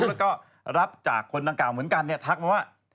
แล้วก็รับจากคนดังกล่าวเหมือนกันเนี่ยทักมาว่า